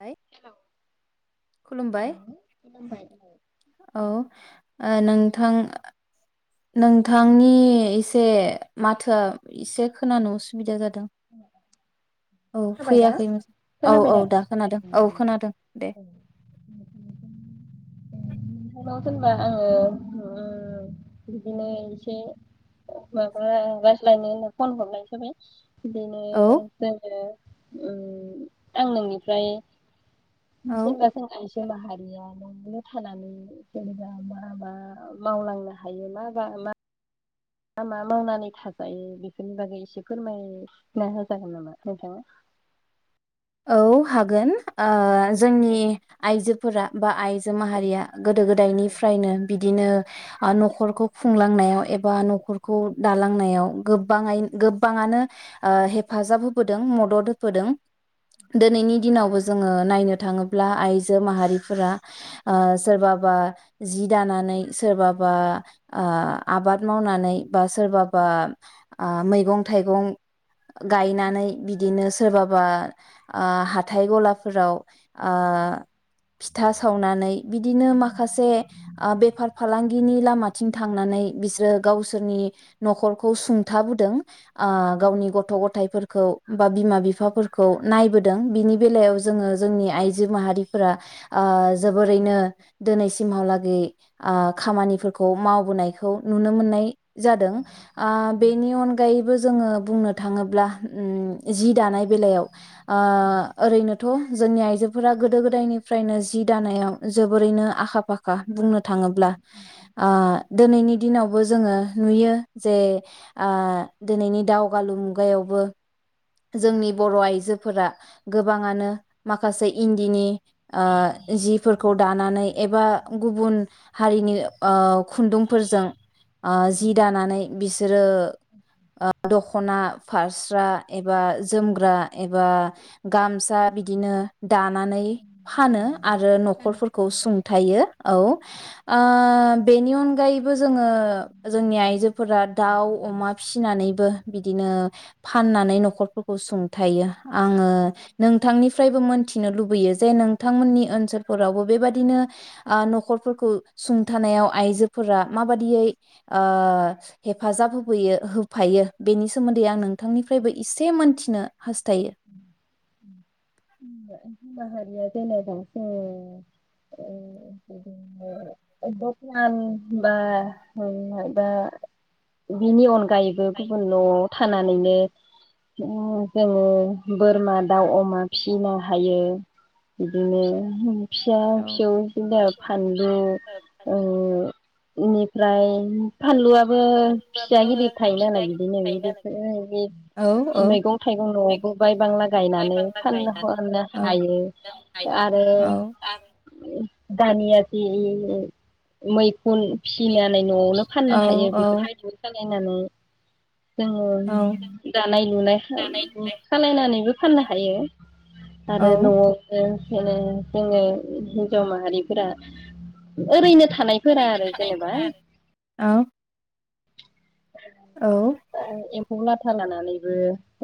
[unintelligible] खुलुमबाय। औ ओ नोंथां नोंथांनि एसे माथोआ एसे खोनानो उसुबिदा जादों। औ जाबाय दा फैयाखै औ औ दा खोनादों औ खोनादों दे। नोंथांनाव जेनबा ओ ओ बिदिनो एसे माबा रायज्लायनो होनना फन हरनाय जाबाय। बिदिनो औ जायगा। आं नोंनिफ्राय। औ जेनेबा जों आइजो। माहारिया न'आवनो थानानै जेनेबा मा मा मावलांनो हायो मा बा मा। मा मा मावनानै थाजायो बेफोरनि बागै एसे फोरमायना होजागोन नामा नोंथाङा। औ हा गोन ओ जोंनि आइजो। फोरा बा आइ जो औ माहारिया गोदो गोदायनिफ्रायनो बिदिनो आ न'खरखौ। खुंलांनायाव एबा न'खरखौ दालांनायाव। गोबाङाइ औ गोबाङानो। ओह हेफाजाब होबोदों मद [unintelligible] होबोदों दोनैनि दिनावबो जोङो नायनो थाङोब्ला आइजो माहारिफोरा। आ सोरबा बा बा जि दानानै सोरबा बा आह आबाद मावनानै। बा सोरबाबा। आ मैगं थाइगं। गायनानै बिदिनो सोरबा बा बा ओह हाथाइ गलाफोराव आह फिथा सावनानै बिदिनो माखासे आ बेफार फालांगिनि लामाथिं थांनानै बिसोर गावसोरनि न'खरखौ सुंथाबुदों। आह गावनि गथ' गथाइफोर। खौ बा बिमा बिफाफोर नायबोदों बिनि। बेलायाव जोङो जोंनि आइजो माहारि। फोरा आह जोबोरैनो दिनैसिमहालागै। आह खामानिफोरखौ माव बोनायखौ नुनो मोननाय। जादों आह बेनि अन गायैबो जोङो बुंनो थाङोब्ला ओम जि दानाय बेलायाव। आह ओरैनोथ' जोंनि आइजोफोरा गोदो गोदायनिफ्रायनो जि दानायाव जोबोरैनो आखा फाखा बुंनो। थाङोब्ला आह दोनैनि दिनावबो जोङो नुयो जे आह दिनैनि दावगालु मुगायावबो। जोंनि बर' आइजोफोरा। गोबाङानो माखासे इन्दिनि। आ जिफोरखौ दानानै एबा गुबुन हारिनि ओ खुन्दुं। फोरजों आ जि दानानै बिसोरो ओह दख'ना फारस्रा। एबा जोमग्रा एबा गामसा बिदिनो। दानानै फानो आरो न'खरफोरखौ सुंथायो औ ओ। बेनि अनगायैबो जोङो जोंनि आइजोफोरा दाउ अमा फिसिनानैबो बिदिनो फानना नै न'खरफोरखौ सुंथायो आङो नोंथांनिफ्रायबो मोनथिनो लुबैयो जे नोंथांमोननि ओनसोलफोरावबो बेबादिनो आह न'खरफोरखौ सुंथानायाव आइजोफोरा माबादियै आह हेफाजाब होबोयो होबो फायो बेनि सोमोन्दै आं नोंथांनि इसे मोनथिनो हास्थायो। [unintelligible] गायैबो गुबुन न' थानानैनो उम जोङो बोरमा दाउ अमा फिसिनो हायो। बिदिनो हम फिसा फिसौ फानलु ओ इनिफ्राय फानलुआबो फिसा गिदिर थायोनालाय बिदिनो बिदिखौनो मैगं थाइगं न'आवबो बाय बायबांला जानो फान हरनो औ-औ-औ-औ-औ-औ-औ-औ-औ हायो आरो ओरो दानियादि मै उन फिसिनानैनानै न'आवनो फाननो हायो बेफोरबायदि फान नानै जोङो दानाय लुनाय खाम खालायनानैबो फाननो हायो आरो न'आवबो [unintelligible] जोङो हिनजाव माहारिफोरा ओरैनो था थानायफोरा आरो जेनेबा एम्फौ लादो [unintelligible] नानैबो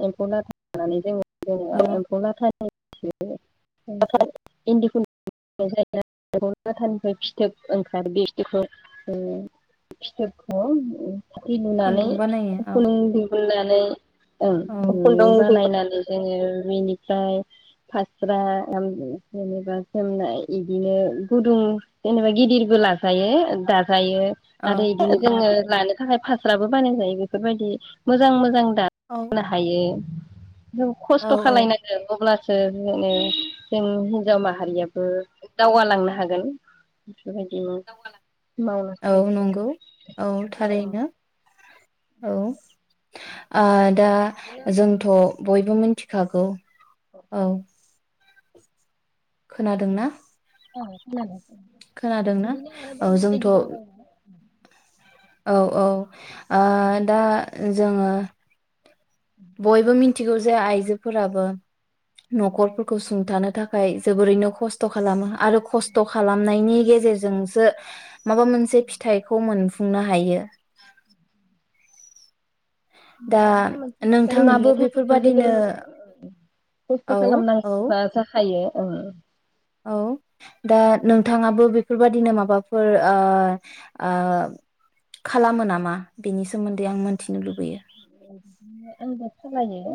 एम्फौ लाथा लानानै जोङो जोङो एम्फौ लाथा [unintelligible] इन्दि खुन [unintelligible] लाथानिफ्राय फिथोब ओंखार बे फिथोबखौ दै लुनानै खुन्दुं बानायो खुन्दुं दिहुनना नो ओं खुन्दुं औ-औ-औ-औ-औ बानायनानै जोङो बेनिफ्राय फास्रा ओम जेनेबा जोमनाय इदिनो गुदुं जेनेबा गिदिरबो लाजायो दा दायो औ आरो औ इदिनो जोङो लानो फास्राबो बानाय जायो बेफोरबायदि मोजां मोजां दानो हायो। जों औ खस्थ' खालायनांगो अब्लासो ओ मा होनो जों हिनजाव माहारियाबो दावगालांनो हागोन बेफोरबायदिनो मावनो औ नंगौ औ था औ रैनो। औ आ दा जोंथ' बयबो मोन्थि खागौ औ खोनादोंना? औ खोनादों। खोनादोंना औ जोंथ' औ औ ओ दा जोङो बयबो मि न्थिगौ जे आइजोफोराबो न'खरफोरखौ सुंथानो थाखाय जोबोरैनो खस्थ' खालामो। आरो खस्थ' खालामनायनि गेजेरजोंसो माबा मोनसे फिथाइखौ मोन फुंनो हायो। दा मा मोनसे फिथाइ नोंथाङाबो मोननो थाखायथ' बेफोरबादिनो जोबोर खस्थ' औ औ खालामनांगौखा जाखायो। ओं औ दा नोंथाङाबो बे फोरबादिनो माबाफोर ओ ओ खालामो नामा बेनि सोमोन्दै आं मोनथिनो लुबैयो। आंबो खालायो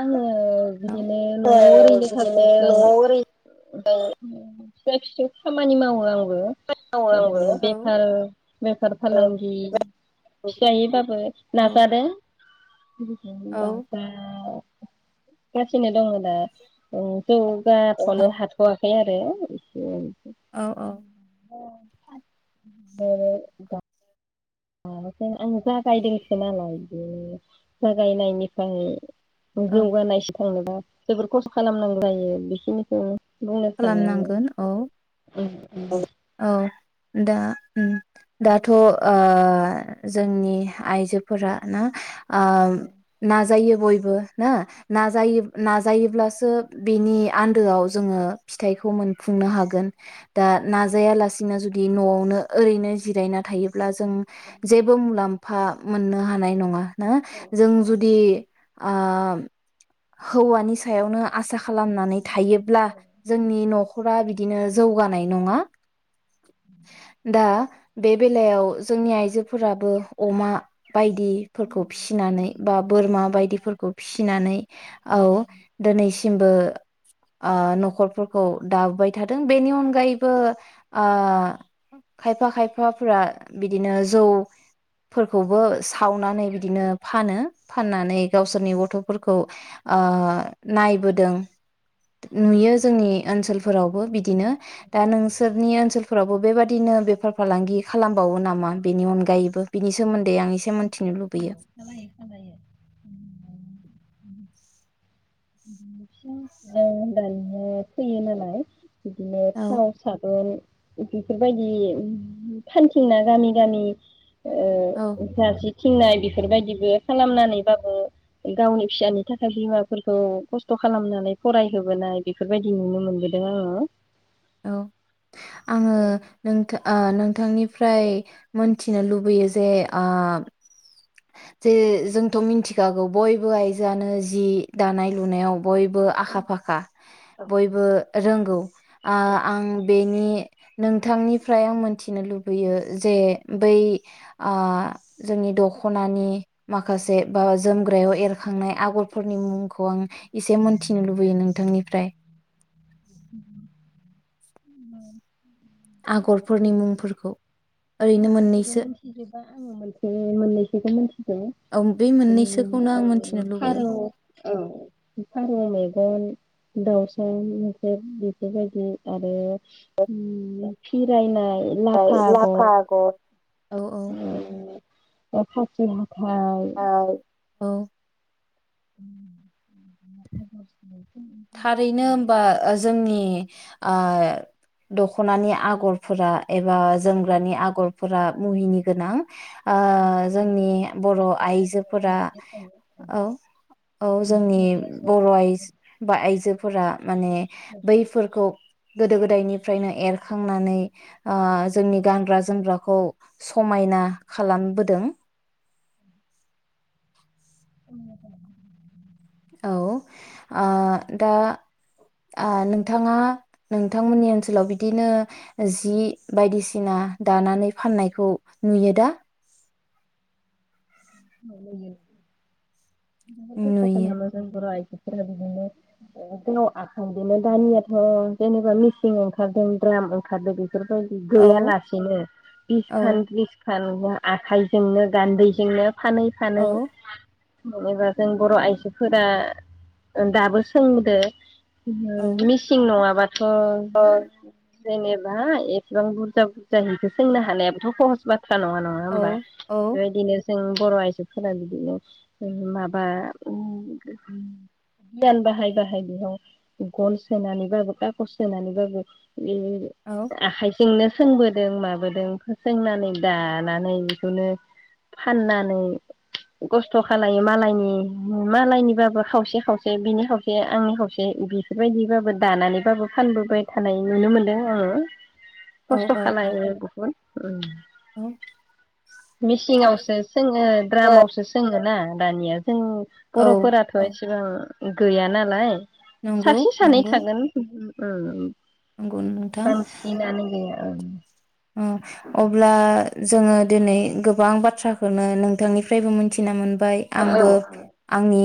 आङो ओ बिदिनो न'आव ओरैनो थासास्लायस्लाय फिसा फिसौ खामानि मावो आं। ओरैनो औ बेफार बेफार फालांगि फिसायैबाबो औ नाजांदो। [unintelligible] औ गासिनो दङ दा औ जौगाथ'नो हाथ'वाखै आरो। [unintelligible] औ औ। [unintelligible] आं जागायदोंसो नालाय बे जागायनायनिफ्राय औ जौगानायसिम थांनोबा जोबोर खस्थ' खालामनांगौ जायो बेखिनिखौ बुंनो सानो खालामनांगोन औ आङो। औ दा दाथ' ओ जोंनि आइजोफोरा ना ओ नाजायो बयबो ना नाजायो नाजायोब्लासो बेनि आन्दोआव जोङो फिथाइखौ मोनफुंनो हागोन। दा नाजायालासे जुदि न'आवनो ओरैनो जिरायना थायो ब्ला जों जेबो मुलाम्फा फा मोननो हानाय नङा। ना जों जुदि ओ हौवानि सायावनो आसा खालामनानै थायोब्ला नि न'ख'रा बिदिनो जौगानाय नङा। दा बे बेलायाव जोंनि आइजोफोराबो अमा बायदिफोरखौ फिसिनानै बा बोरमा बायदिफोरखौ फिसिनानै औ दिनैसिमबो आ न'खर फोरखौ दाबोबाय थादों बेनि अनगायैबो ओ खायफा खायफाफोरा बिदिनो जौफोरखौबो सावनानै बिदिनो फानो। फाननानै गावसोरनि गथ'फोर खौ ओ नायबोदों। नुयो ओनसोलफोरावबो बिदिनो दा नोंसोरनि ओनसोलफोरावबो बेबादिनो बेफार फालांगि खालामबावो नामा बेनि अनगायैबो बिनि सोमोन्दै आं एसे मिथिनो लुबैयो। औ दानिया फैयो नालाय। बिदिनो औ थाव साबोन बेफोरबायदि फानथिंना गामि गामि औ ओ जारसि थिननाय बेफोरबायदिबो खालामनानैबाबो गावनि फिसानि थाखाय बिमाफोरखौ खस्थ' खालामनानै फरायहोबोनाय बेफोरबायदि नुनो मोनबोदों आङो। औ आङो नोंथा ओ नोंथांनि फ फ्राय मोनथिनो लुबैयो जे आम जे जोंथ' मिन्थिखागौ बयबो आइजोआनो जि दानाय लुनायाव बयबो आखा फाखा बयबो रोंगौ। ओ आं बेनि नोंथांनिफ्राय आं मोनथिनो लुबैयो जे बै आ जोंनि दख'नानि माखासे बा जोमग्रायाव एरखांनाय आगरफोरनि मुंखौ आं एसे मोनथिनो लुबैयो नोंथांनिफ्राय उम‌ ओ उम ओ आगरफोरनि मुंफोरखौ ओरैनो बेखौ मोननैसो मोनथिजोबा आङो मोनसे मोननैसोखौ मोनथिगो औ बे उम मोननैसोखौनो आं आङो मोनथिनो लुबैयो फारौ औ उम फारौ मेगन दाउसा मोख्रेब बेफोरबायदि आरो उम ओ फिराय नाय। आव लाफा आगद उम ओ ओ खासि हा थाय औ औ [unintelligible] थारैनो होमबा ओ जोंनि आय दख'नानि आगरफोरा एबा ज जोमग्रानि आगरफोरा मुहिनि गोनां। ओ जोंनि बर' आइजोफोरा औ औ जोंनि बर' आइज आ आइजोफोरा माने बैफोरखौ गोदो गोदायनिफ्रायनो एरखांनानै ओ जोंनि गानग्रा जोमग्राखौ समायना खालामबोदों। [unintelligible] औ ओ दा आ नोंथाङा नोंथांमोननि ओनसोलाव बिदिनो जि बायदिसिना दानानै फाननायखौ नुयो। दा औ‌ नुयो। नुयो [unintelligible] बर' आयजो बिदिनो गाव आखाइ बिदिनो दानियाथ' जेनेबा मेसिन ओंखारदों द्राम ओंखारदों बे बेफोरबायदि औ गैयालासेनो बिसखान औ थ्रिसखान आखाइजोंनो गान्दैजोंनो। फानै फानै। औ जेनेबा जों बर' आइजोफोरा दाबो सोंदो। औ मिसिं नङाबा अ औ जेनेबा एसेबां बुरजा बुरजा बिदि सोंनो हानायाबोथ' सहस बाथ' सा नङा नङा औ होमबा औ बेबायदिनो औ बर' आइजोफोरा बिदिनो बेयाव माबा गियान बाहाय बाहाय बेयाव गन सोनानैबाबो खागज सोनानैबाबो बे आखाय जोंनो सोंबोदों माबोदों सोंनानै दानानै बेखौनो फानना खस्थ' खालो मालायनि मालायनिबाबो खावसे खावसे बिनि खावसे आंनि खावसे बेफोरबायदिबाबो दानानैबाबो फानबोबाय थानाय नुनो मोनदों आङो। औ खस्थ'खालाय बहुत। उम औ मिसिंआवसो। सोङो द्रामावसो सोङो। रा दानिया जों औ बर'फोराथ' औ एसेबां गैया नालाय‌। नंगौ सासे सानै नंगौ थागोन उम नंगौ उम [unintelligible] ओं अ अब्ला जोङो दिनै गोबां बाथ्राखौनो नोंथांनिफ्रायबो मिथिना मोन बाय औ आंबो आंनि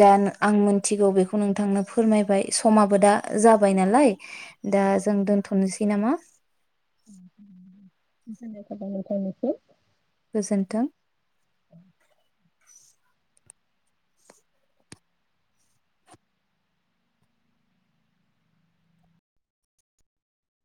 जा आं मोनथिगौ बेखौ नोंथांनो फोरमायबाय समाबो दा जाबाय नालाय। दा जों दोन थ'नोसै नामा। [inaudible] [unintelligible] गोजोन्थों